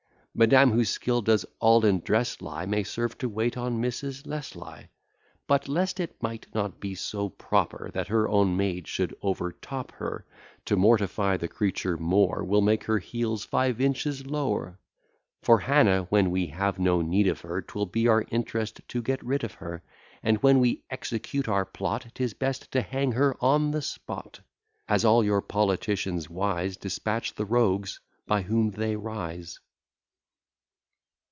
Madam, whose skill does all in dress lie, May serve to wait on Mrs. Leslie; But, lest it might not be so proper That her own maid should over top her, To mortify the creature more, We'll take her heels five inches lower. For Hannah, when we have no need of her, 'Twill be our interest to get rid of her; And when we execute our plot, 'Tis best to hang her on the spot; As all your politicians wise, Dispatch the rogues by whom they rise.